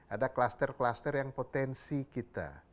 ada klaster klaster yang potensi kita